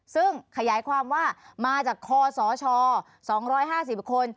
ซึ่งขยายความว่ามาจากคอสช๒๕๐คน